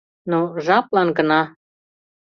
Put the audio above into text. Но жаплан гына.